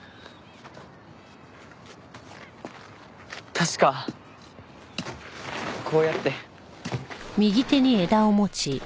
確かこうやって。